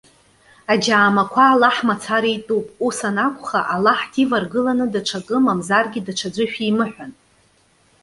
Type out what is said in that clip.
Аџьаамақәа Аллаҳ мацара итәуп. Ус анакәха, Аллаҳ диваргыланы даҽакы, мамзаргьы даҽаӡәы шәимыҳәан.